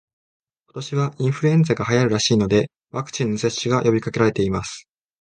今年はインフルエンザが流行るらしいので、ワクチンの接種が呼びかけられています